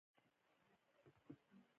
ځکه د خپل دغه فلم The Beast of War